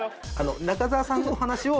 中沢さんのお話を。